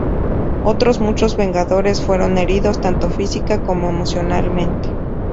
Otros muchos Vengadores fueron heridos, tanto física como emocionalmente.